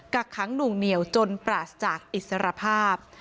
กักขังหน่วงเหนียวจนปราศจากอิสรภาพ